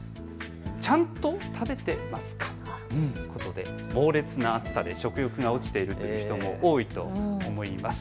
ちゃんと食べてますか？ということで猛烈な暑さで食欲が落ちているという人も多いと思います。